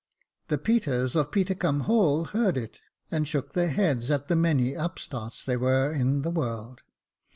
The Peters of Petercumb Hall heard it, and shook their heads at the many upstarts there were in the world.